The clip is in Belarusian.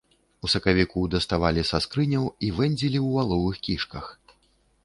У сакавіку даставалі са скрыняў і вэндзілі ў валовых кішках.